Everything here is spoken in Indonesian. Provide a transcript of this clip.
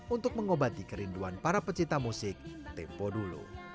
untuk mengobati kerinduan para pecinta musik tempo dulu